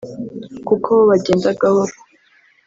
kuko bo bagenda gahoro